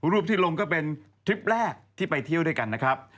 รูปที่ลงก็เป็นทริปแรกที่ไปเที่ยวด้วยกันนะครับ